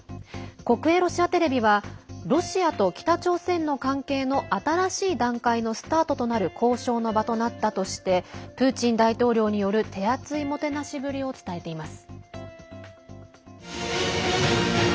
国営ロシアテレビはロシアと北朝鮮の関係の新しい段階のスタートとなる交渉の場となったとしてプーチン大統領による手厚いもてなしぶりを伝えています。